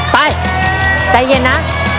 ไปใจเย็นนะ